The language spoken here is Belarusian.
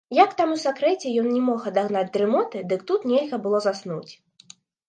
Як там у сакрэце ён не мог адагнаць дрымоты, дык тут нельга было заснуць.